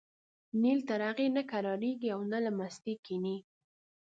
نیل تر هغې نه کرارېږي او نه له مستۍ کېني.